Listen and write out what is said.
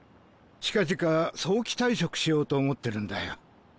近々早期退職しようと思ってるんだよ。